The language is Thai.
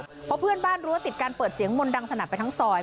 เพราะเพื่อนบ้านรั้วติดกันเปิดเสียงมนต์ดังสนัดไปทั้งซอย